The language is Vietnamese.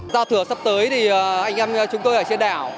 giao thừa sắp tới thì anh em chúng tôi ở trên đảo